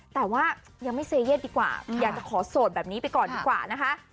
แต่ว่ายังไม่เซเย่นดีกว่าอยากจะขอโสดแบบนี้ไปก่อนดีกว่านะคะ